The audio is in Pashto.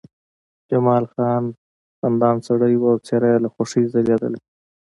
جمال خان خندان سړی و او څېره یې له خوښۍ ځلېدله